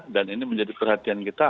dan ini menjadi perhatian kita